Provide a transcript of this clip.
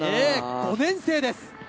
５年生です。